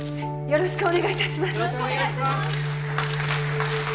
よろしくお願いします！